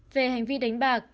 về hành vi đánh bạc